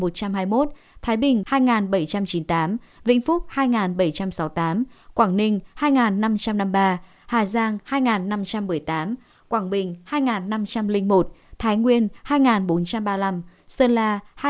thái bình hai bảy trăm chín mươi tám vĩnh phúc hai bảy trăm sáu mươi tám quảng ninh hai năm trăm năm mươi ba hà giang hai năm trăm một mươi tám quảng bình hai năm trăm linh một thái nguyên hai bốn trăm ba mươi năm sơn la hai